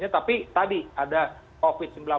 tapi tadi ada covid sembilan belas